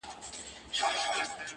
دواړي تلي مي سوځیږي په غرمو ولاړه یمه٫